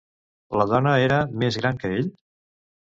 La dona era més gran que ell?